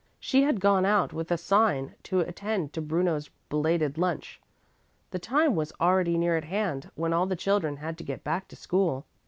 She had gone out with a sign to attend to Bruno's belated lunch. The time was already near at hand when all the children had to get back to school.